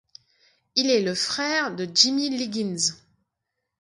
Il est le frère de Jimmy Liggins.